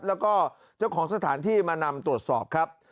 แล้วก็เจ้าของสถานที่มานำตรวจสอบครับ